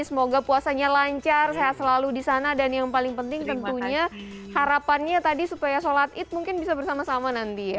semoga puasanya lancar sehat selalu di sana dan yang paling penting tentunya harapannya tadi supaya sholat id mungkin bisa bersama sama nanti ya